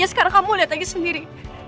sekarang kamu lihat aja sendiri